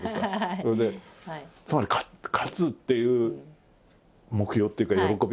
それでつまり勝つっていう目標っていうか喜び？